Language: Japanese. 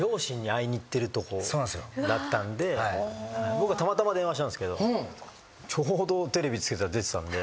僕はたまたま電話したんですけどちょうどテレビつけたら出てたんで。